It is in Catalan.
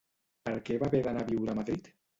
Per què va haver d'anar a viure a Madrid?